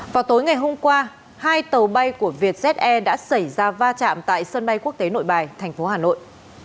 vào tối ngày hôm qua hai tàu bay của vietjet e đã xảy ra va chạm tại sân bay quốc tế nội bài hà nội